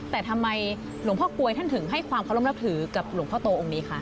แต่ทำไมหลวงพ่อกลวยท่านถึงให้ความเคารพนับถือกับหลวงพ่อโตองค์นี้คะ